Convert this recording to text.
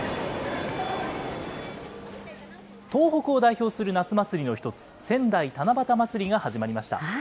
東北を代表する夏祭りの一つ、仙台七夕まつりが始まりました。